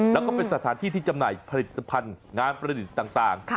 แล้วก็เป็นสถานที่ที่จำหน่ายผลิตภัณฑ์งานประดิษฐ์ต่าง